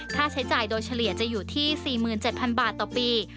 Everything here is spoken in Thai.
ค่าใช้จ่ายโดยเฉลี่ยจะอยู่ที่๔๗๐๐บาทต่อปี